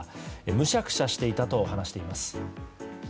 むしゃくしゃしていたと話しています。